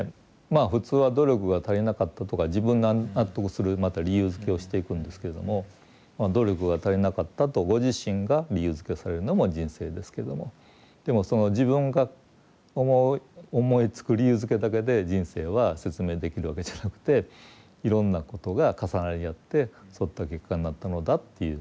まあ普通は努力が足りなかったとか自分が納得するまた理由づけをしていくんですけれどもまあ努力が足りなかったとご自身が理由づけをされるのも人生ですけどもでもその自分が思う思いつく理由づけだけで人生は説明できるわけじゃなくていろんなことが重なり合ってそういった結果になったのだっていう。